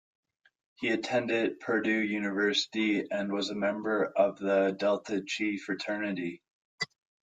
He attended Purdue University and was a member of The Delta Chi Fraternity.